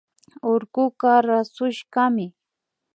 Urkuka rasushkami